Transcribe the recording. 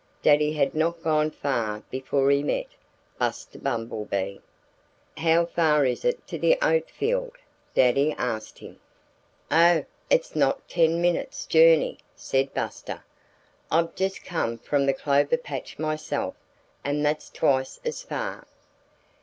Daddy had not gone far before he met Buster Bumblebee. "How far is it to the oat field?" Daddy asked him. "Oh! It's not ten minutes' journey," said Buster. "I've just come from the clover patch myself; and that's twice as far."